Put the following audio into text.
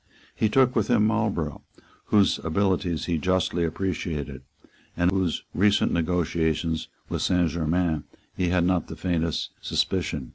He took with him Marlborough, whose abilities he justly appreciated, and of whose recent negotiations with Saint Germains he had not the faintest suspicion.